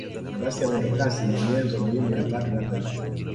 mabasi ya mwendokazi ni nyenzo muhimu ya pato la taifa